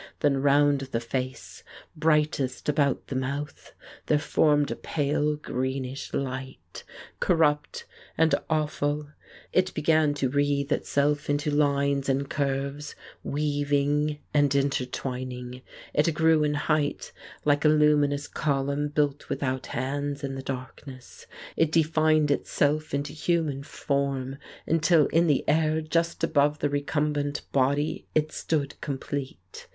Then round the face, brightest about the mouth, there formed a pale greenish light, corrupt and awful. It began to wreathe itself into lines and curves, weav ing and intertwining; it grew in height, like a lumin ous column built without hands, in the darkness; it defined itself into human form, until in the air just above the recumbent body it stood complete.